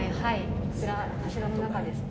こちら、柱の中ですね。